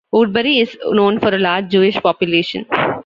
Woodbury is known for a large Jewish population.